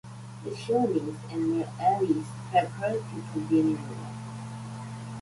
The Shawnees and their allies prepared to continue the war.